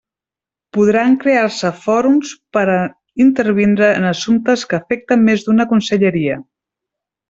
Podran crear-se fòrums per a intervindre en assumptes que afecten més d'una conselleria.